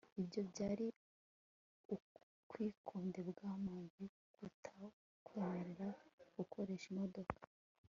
ibyo byari ubwikunde bwa manzi kutakwemerera gukoresha imodoka